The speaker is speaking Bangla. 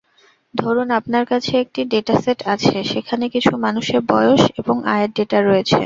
ধরুন আপনার কাছে একটি ডেটাসেট আছে সেখানে কিছু মানুষের বয়স এবং আয়ের ডেটা রয়েছে।